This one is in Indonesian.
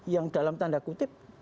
yang dalam tanda kutip